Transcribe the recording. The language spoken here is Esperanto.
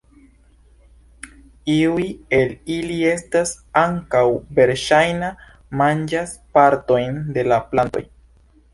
Iuj el ili estas ankaŭ verŝajna manĝas partojn de la plantoj.